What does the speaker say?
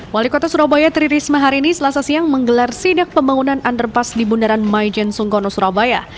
wali kota surabaya tri risma hari ini selasa siang menggelar sidak pembangunan underpass di bundaran maijen sungkono surabaya